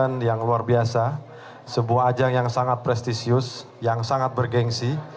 dan yang luar biasa sebuah ajang yang sangat prestisius yang sangat bergensi